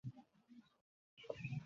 এত টাকা দিয়ে কে যাবে আসল কফি খেতে?